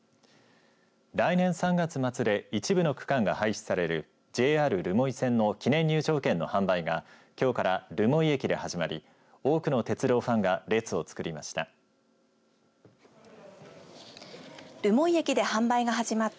来年３月末で一部の区間が廃止されるＪＲ留萌線の記念入場券の販売がきょうから留萌駅で始まり多くの鉄道ファンが列を作りました。